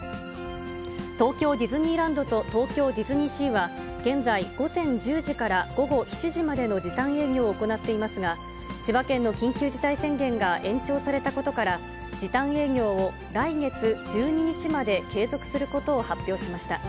東京ディズニーランドと東京ディズニーシーは、現在、午前１０時から午後７時までの時短営業を行っていますが、千葉県の緊急事態宣言が延長されたことから、時短営業を来月１２日まで継続することを発表しました。